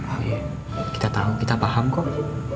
oh iya kita tau kita paham kok